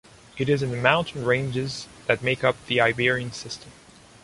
It is in the mountain ranges that make up the Iberian System.